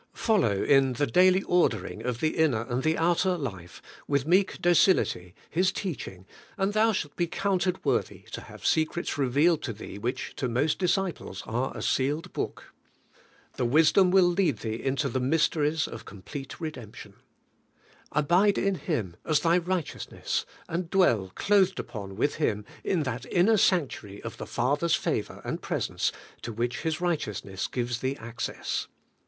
Follow, in the daily ordering of the inner and the outer life, with meek docility His teaching, and thou shalt be counted worthy to have secrets revealed to thee which to most disciples are a sealed book. The wisdom will lead thee into the mysteries of complete redemption. Abide in Him as thy righteousness, and dwell clothed upon with Him in that inner sanctuary of the Father's favour and presence to which His righteousness gives thee access.